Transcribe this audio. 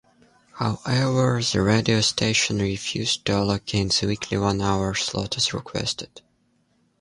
However, the radio station refused to allocate the weekly one-hour slot as requested.